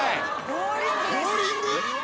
ボウリング？